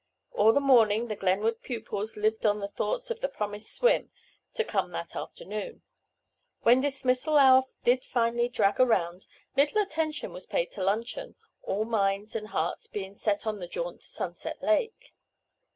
All the morning the Glenwood pupils lived on the thoughts of the promised swim, to come that afternoon. When dismissal hour did finally drag around little attention was paid to luncheon, all minds and hearts being set on the jaunt to Sunset Lake.